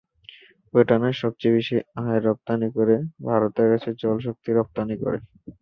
ভুটানের সবচেয়ে বেশি আয় করে ভারতের কাছে জল শক্তি রপ্তানি করে।